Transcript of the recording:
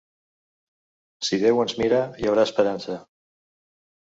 Si Déu ens mira, hi haurà esperança.